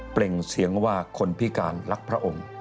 เปล่งเสียงว่าคนพิการรักพระองค์